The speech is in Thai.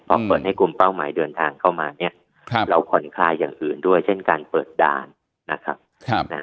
เพราะเปิดให้กลุ่มเป้าหมายเดินทางเข้ามาเนี่ยเราผ่อนคลายอย่างอื่นด้วยเช่นการเปิดด่านนะครับ